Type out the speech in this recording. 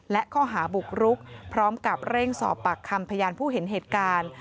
และข้อหาบุกรุกพร้อมกับเร่งสอบปากคำพยานผู้เห็นเหตุการณ์